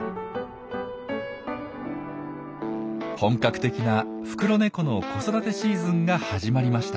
本格的なフクロネコの子育てシーズンが始まりました。